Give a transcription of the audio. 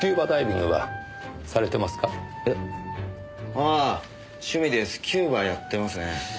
ああ趣味でスキューバやってますね。